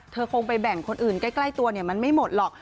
คงไปแบ่งคนอื่นใกล้ตัวมันไม่หมดหรอก